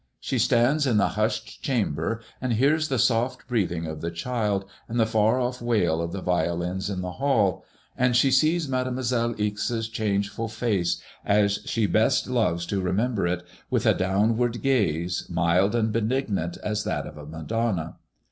She stands in the hushed chamber and hears the soft breathing of the child and the far off wail of the violins in the hall ; and she sees Mademoiselle Ixe's change ful face as she best loves to remember it, with a downward gaze, mild and benignant as that of a Madonna.